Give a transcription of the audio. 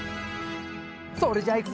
それじゃいくぞ。